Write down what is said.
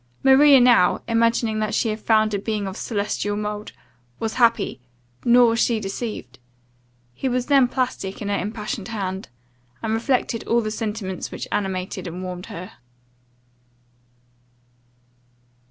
Maria now, imagining that she had found a being of celestial mould was happy, nor was she deceived. He was then plastic in her impassioned hand and reflected all the sentiments which animated and warmed her.